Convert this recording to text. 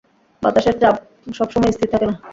বাতাসের চাপ সবসময় স্থির থাকে না।